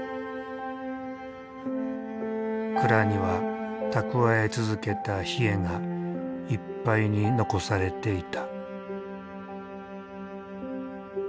蔵には蓄え続けたヒエがいっぱいに残されていた。